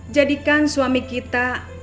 jadikan suami kita